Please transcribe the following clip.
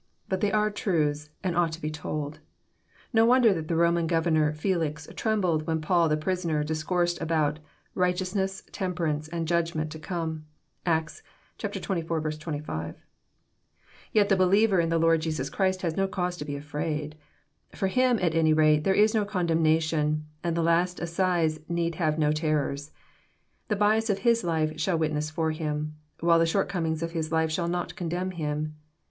But they are truths, and ought to be told. No wonder that the Roman governor Felix trembled when Paul the prisoner discoursed about ^' right eousness, temperance, and judgment to come." (Acts xxiv. 25.) Yet the believer in the Lord Jesus Christ has no cause to be afraid. For him, at any rate, there is no condemnation, and the last assize need have no terrors. The bias of his life shall witness for him ; while the short comings of his life shall not condemn him.